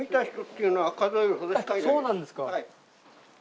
そうなんですか。